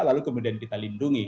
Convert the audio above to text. lalu kemudian kita lindungi